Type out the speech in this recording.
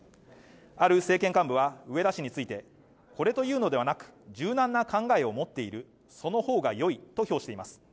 ある政権幹部は植田氏についてこれというのではなく柔軟な考えを持っているその方が良いと評しています